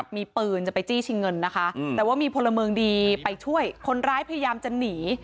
มีปืนจะไปจี้ชิงเงินนะคะแต่ว่ามีพลเมืองดีไปช่วยคนร้ายพยายามจะหนี